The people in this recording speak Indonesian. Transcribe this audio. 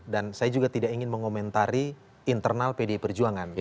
dan saya juga tidak ingin mengomentari internal pdi perjuangan